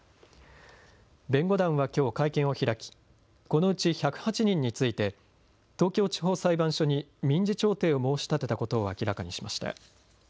弁護団はきょう会見を開きこのうち１０８人について東京地方裁判所に民事調停を申し立てたことを明らかにしました。